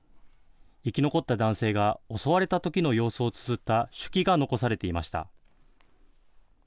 生き残った男性が、襲われたときの様子をつづった手記が残されていました。